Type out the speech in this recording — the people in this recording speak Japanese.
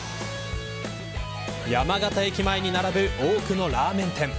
山形駅前に並ぶ多くのラーメン店。